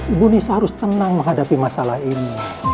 ibu nih seharus tenang menghadapi masalah ini